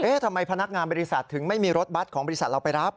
ทำไมพนักงานบริษัทถึงไม่มีรถบัตรของบริษัทเราไปรับ